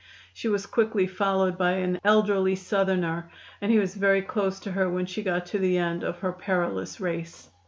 She was quickly followed by an elderly Southerner, and he was very close to her when she got to the end of her perilous race.